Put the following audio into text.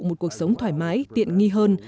một cuộc sống thoải mái tiện nghi hơn